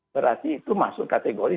berarti itu masuk kategori